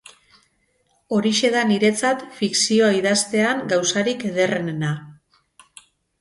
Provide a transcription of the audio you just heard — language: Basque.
Horixe da niretzat fikzioa idaztean gauzarik ederrenena.